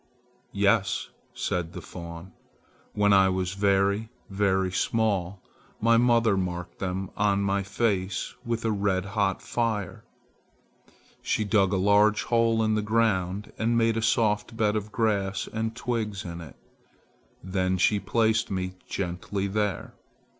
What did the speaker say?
"Yes," said the fawn. "When I was very, very small, my mother marked them on my face with a red hot fire. She dug a large hole in the ground and made a soft bed of grass and twigs in it. Then she placed me gently there.